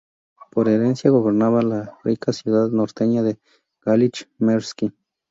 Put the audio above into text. Por herencia gobernaba la rica ciudad norteña de Gálich-Merski.